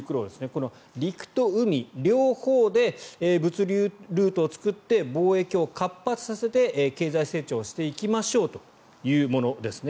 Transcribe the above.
この陸と海、両方で物流ルートを作って貿易を活発化させて経済成長していきましょうというものですね。